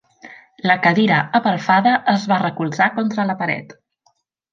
La cadira apelfada es va recolzar contra la paret.